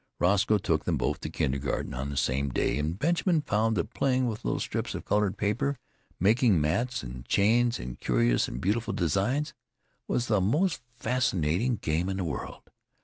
Roscoe took them both to kindergarten on the same day, and Benjamin found that playing with little strips of coloured paper, making mats and chains and curious and beautiful designs, was the most fascinating game in the world.